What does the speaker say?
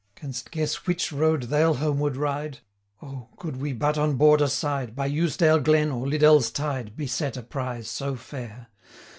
Canst guess which road they'll homeward ride? O! could we but on Border side, 95 By Eusedale glen, or Liddell's tide, Beset a prize so fair!